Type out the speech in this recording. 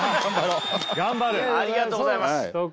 ありがとうございます。